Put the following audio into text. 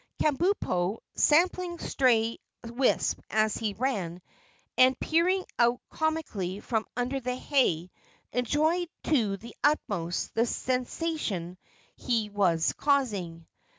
Kabumpo, sampling stray wisps as he ran and peering out comically from under the hay, enjoyed to the utmost the sensation he was causing.